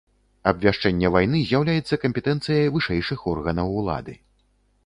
Абвяшчэнне вайны з'яўляецца кампетэнцыяй вышэйшых органаў улады.